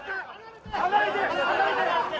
離れて、離れて。